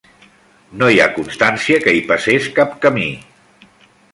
No hi ha constància que hi passés cap camí.